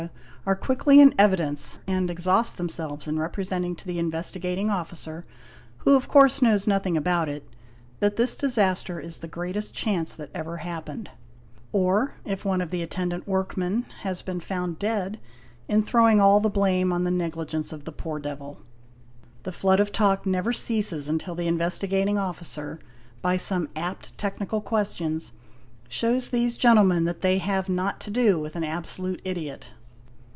are quickly in evidence and exhaust themselves in representing to the Investigating Officer, who of course knows nothing about it, that this disaster is the greatest chance that ever happened, or, if one of the attendant workman has been found dead, in throwing all the blame on the negligence of the poor devil. The flood of talk never ceases until the Investigating Officer, by some apt technical questions, shows these gentle _ men that they have not to do with an absolute idiot.